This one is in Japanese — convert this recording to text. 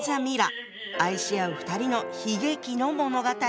愛し合う２人の悲劇の物語。